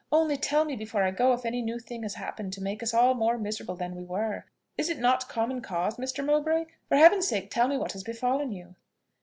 Only tell me before I go if any new thing has happened to make us all more miserable than we were. Is it not common cause, Mr. Mowbray? For Heaven's sake tell me what has befallen you!"